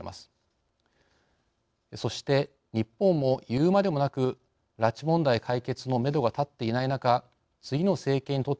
そして日本もいうまでもなく拉致問題解決のめどが立っていない中次の政権にとっても対